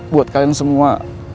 buat kalian semua